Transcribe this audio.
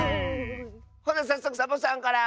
ほなさっそくサボさんから！